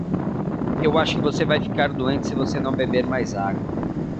Eu acho que você vai ficar doente se você não beber mais água.